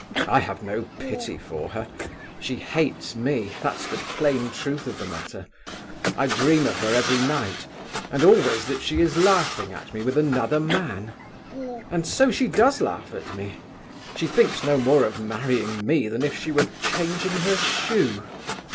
I have no pity for her. She hates me—that's the plain truth of the matter. I dream of her every night, and always that she is laughing at me with another man. And so she does laugh at me. She thinks no more of marrying me than if she were changing her shoe.